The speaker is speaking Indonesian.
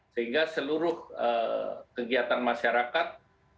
sehingga seluruh kegiatan masyarakat tetap dibatasi